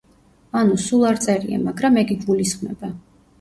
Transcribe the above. ანუ, სულ არ წერია, მაგრამ ეგ იგულისხმება.